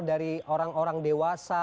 dari orang orang dewasa